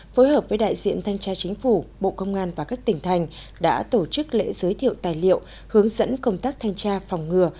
phối hợp với đại diện thanh tra chính phủ bộ công an và các tỉnh thành đã tổ chức lễ giới thiệu tài liệu hướng dẫn công tác thanh tra phòng ngừa